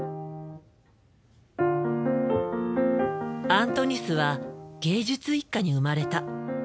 アントニスは芸術一家に生まれた。